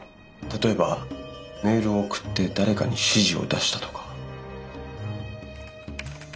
例えばメールを送って誰かに指示を出したとか。